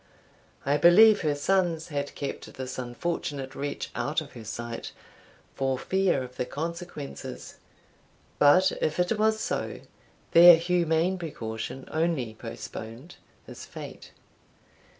I believe her sons had kept this unfortunate wretch out of her sight, for fear of the consequences; but if it was so, their humane precaution only postponed his fate.